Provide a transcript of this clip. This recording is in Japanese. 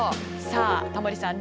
さあタモリさん